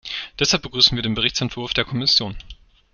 Deshalb begrüßen wir den Berichtsentwurf der Kommission.